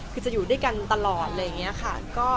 คือจะอยู่ด้วยกันตลอดอะไรอย่างนี้ค่ะ